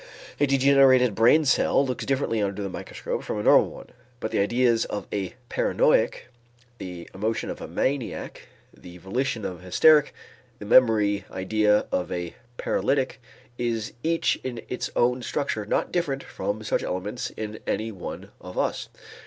A degenerated brain cell looks differently under the microscope from a normal one, but the ideas of a paranoiac, the emotion of a maniac, the volition of a hysteric, the memory idea of a paralytic is each in its own structure not different from such elements in any one of us.